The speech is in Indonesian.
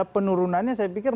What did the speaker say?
penurunannya saya pikir